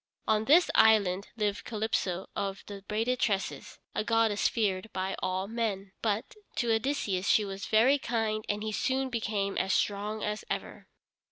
On this island lived Calypso of the braided tresses, a goddess feared by all men. But, to Odysseus she was very kind and he soon became as strong as ever.